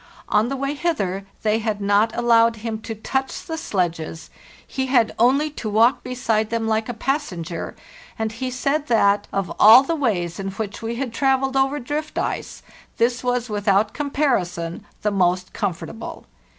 On the way hither they had not allowed him to touch the sledges, he had only to walk beside them like a passenger, and he said that, of all the ways in which we had travelled over drift ice, this was without comparison the most com fortable.